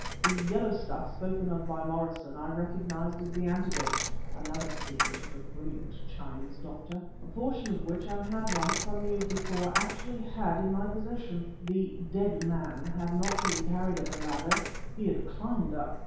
The "yellow stuff" spoken of by Morrison I recognized as the antidote (another secret of the brilliant Chinese doctor), a portion of which I had once, some years before, actually had in my possession. The "dead man" had not been carried up the ladder; he had climbed up!